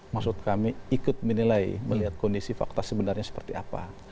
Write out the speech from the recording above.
maksud kami ikut menilai melihat kondisi fakta sebenarnya seperti apa